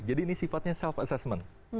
jadi ini sifatnya self assessment